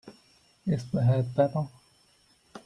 Is the head better?